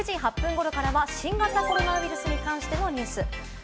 ９時８分頃からは新型コロナウイルスに関してのニュース。